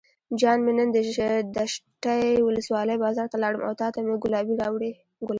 جان مې نن دشټي ولسوالۍ بازار ته لاړم او تاته مې ګلابي راوړې.